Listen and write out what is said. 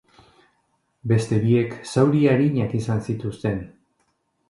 Beste biek, zauri arinak izan zituzten.